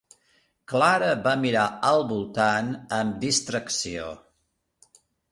Clara va mirar al voltant amb distracció.